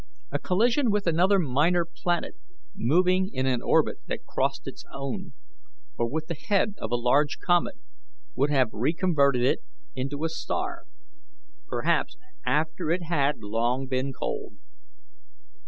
A collision with another minor planet moving in an orbit that crossed its own, or with the head of a large comet, would have reconverted it into a star, perhaps after it had long been cold.